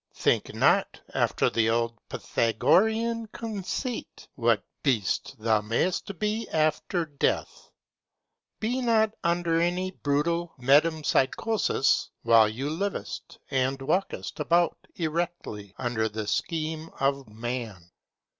Think not after the old Pythagorean conceit, what beast thou may'st be after death. Be not under any brutal metempsychosis, while thou livest and walkest about erectly under the scheme of man.